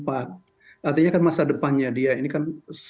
artinya kan masa depannya dia ini kan